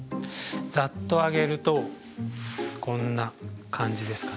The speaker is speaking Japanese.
ざっと挙げるとこんな感じですかね。